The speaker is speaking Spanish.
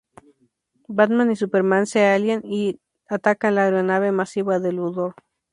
Batman y Superman se alían y atacan la aeronave masiva de Luthor.